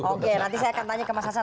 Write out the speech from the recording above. oke nanti saya akan tanya ke mas hasan